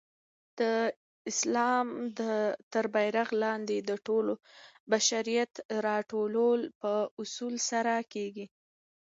د اسلام تر بیرغ لاندي د ټول بشریت راټولول په اصولو سره کيږي.